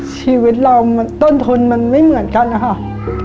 ชีวิตเราต้นทุนมันไม่เหมือนกันนะคะ